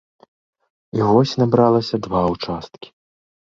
І вось набралася два ўчасткі.